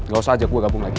gak usah aja gue gabung lagi